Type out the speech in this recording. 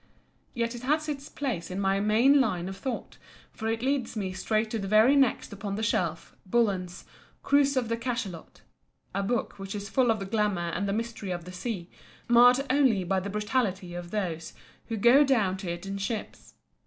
Yet it has its place in my main line of thought, for it leads me straight to the very next upon the shelf, Bullen's "Cruise of the Cachelot," a book which is full of the glamour and the mystery of the sea, marred only by the brutality of those who go down to it in ships.